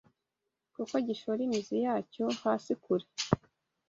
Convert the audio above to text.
kuko gishora imizi yacyo hasi kure